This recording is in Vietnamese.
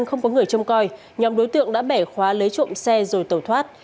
tòa án đã bẻ khóa lấy trộm xe rồi tẩu thoát